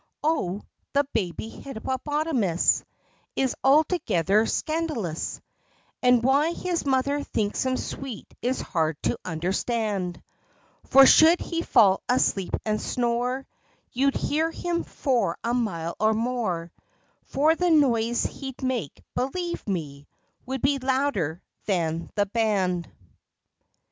O, the baby hippopotamus, Is altogether scandalous, And why his mother thinks him sweet is hard to understand; For should he fall asleep and snore You'd hear him for a mile or more, For the noise he'd make, believe me, would be louder than the band.